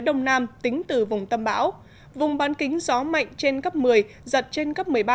đông nam tính từ vùng tâm bão vùng bán kính gió mạnh trên cấp một mươi giật trên cấp một mươi ba